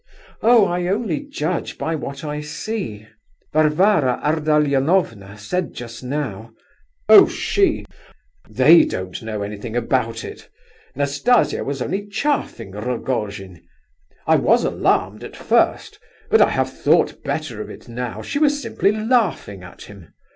"Oh, I only judge by what I see. Varvara Ardalionovna said just now—" "Oh she—they don't know anything about it! Nastasia was only chaffing Rogojin. I was alarmed at first, but I have thought better of it now; she was simply laughing at him.